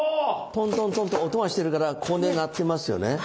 トントントンと音がしてるからここで鳴ってますよね。